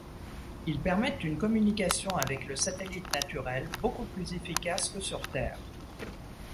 Ils permettent une communication avec le satellite naturel beaucoup plus efficace que sur Terre.